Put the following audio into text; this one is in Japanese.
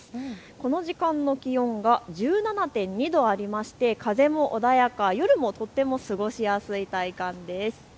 この時間の気温が１７．２度あって風も穏やか、夜もとっても過ごしやすい体感です。